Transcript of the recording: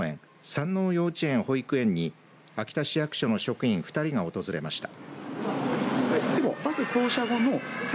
山王幼稚園・保育園に秋田市役所の職員２人が訪れました。